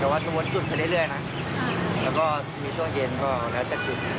แต่ว่าจะวนจุดไปเรื่อยนะแล้วก็มีช่วงเย็นก็แล้วแต่จุด